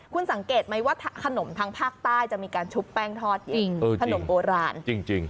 คุณสังเกตไหมว่าขนมทางภาคใต้จะมีการชุบแป้งทอดจริงขนมโบราณจริง